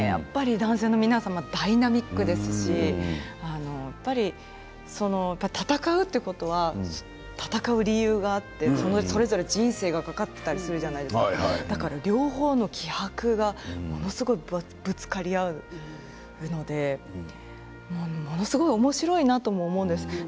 男性の皆さんはダイナミックですし戦うということは戦う理由があってそれぞれ人生が懸かっていたりするので両方の気迫がものすごいぶつかり合うので、ものすごくおもしろいなとも思うんです。